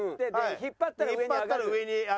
引っ張ったら上に上がる。